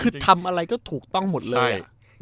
คือทำอะไรก็ถูกต้องหมดเลย